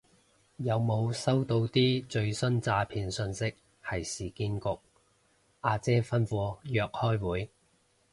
有冇收到啲最新詐騙訊息係市建局阿姐吩咐約開會